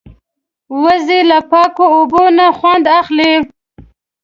وزې له پاکو اوبو نه خوند اخلي